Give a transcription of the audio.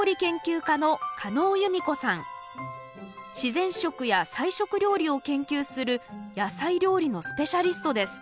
自然食や菜食料理を研究する野菜料理のスペシャリストです。